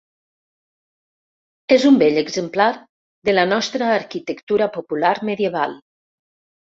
És un bell exemplar de la nostra arquitectura popular medieval.